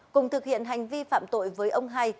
cùng thực hiện hành vi phạm tội với ông hai